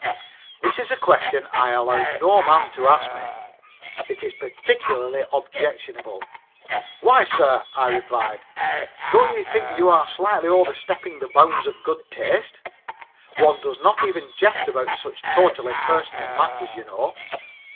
This is a question I allow no man to ask me. It is particularly objectionable. "Why, sir," I replied, "don't you think you are slightly overstepping the bounds of good taste? One does not even jest about such totally personal matters, ye know."